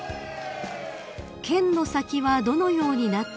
［「剣の先はどのようになっていますか？」